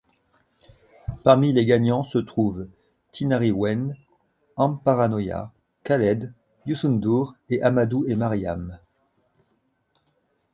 Parmi les gagnants se trouvent Tinariwen, Amparanoia, Khaled, Youssou N'Dour et Amadou & Mariam.